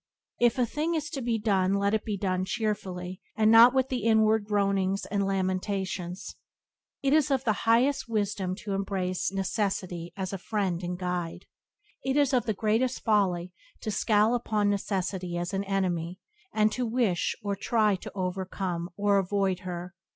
If a thing is to be done let it be done cheerfully, and not with inward groanings and lamentations. It is of the highest wisdom to embrace necessity as a friend and guide. It is of the greatest folly to scowl upon necessity as an enemy, and to wish or try to overcome or avoid her.